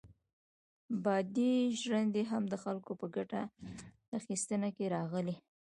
بادي ژرندې هم د خلکو په ګټه اخیستنه کې راغلې.